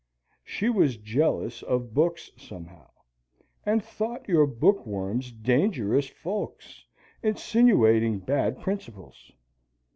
She was jealous of books somehow, and thought your bookworms dangerous folks, insinuating bad principles.